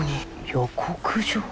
予告状？